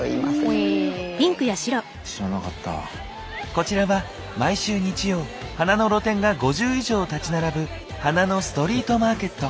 こちらは毎週日曜花の露店が５０以上立ち並ぶ花のストリートマーケット。